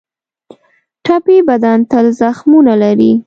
ټپي بدن تل زخمونه لري.